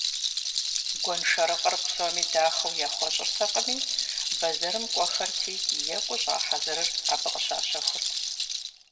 Гуэншэрыкъыр псоми дахэу яхуэщӀыртэкъыми, бэзэрым кӀуэхэрти, екӀуу щӀа хьэзырыр абы къыщащэхурт.